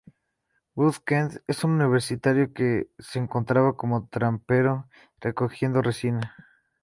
Bud Kent es un universitario, que se encontraba como trampero recogiendo resina.